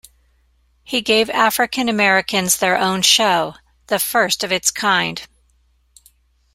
He gave African Americans their own show, the first of its kind.